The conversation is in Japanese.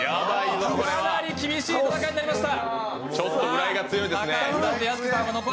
かなり厳しい戦いになりました。